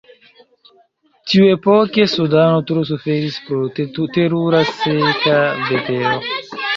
Tiuepoke, Sudano tro suferis pro terura seka vetero.